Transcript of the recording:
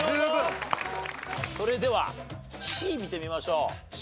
それではＣ見てみましょう。